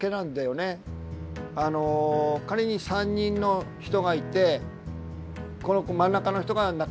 あの仮に３人の人がいてこの真ん中の人が仲いい。